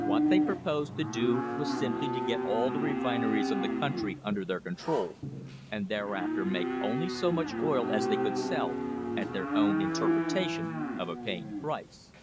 What they proposed to do was simply to get all the refineries of the country under their control, and thereafter make only so much oil as they could sell at their own inter pretation of a paying price.